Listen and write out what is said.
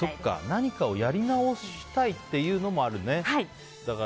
何かをやり直したいっていうのもあるね。